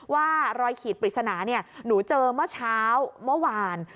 ว่ารอยขีดปริศนาหนูเจอเมื่อเช้าเมื่อวาน